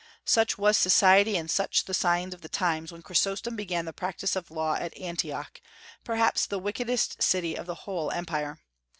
Such was society, and such the signs of the times, when Chrysostom began the practice of the law at Antioch, perhaps the wickedest city of the whole Empire.